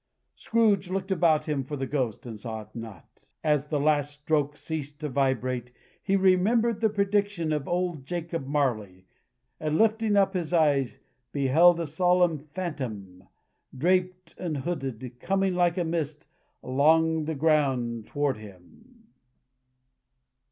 Scrooge looked about him for the Ghost, and saw it not. As the last stroke ceased to vibrate, he remembered the prediction of old Jacob Marley, and lifting up his eyes, beheld a solemn Phantom, draped and hooded, coming like a mist along the ground toward him.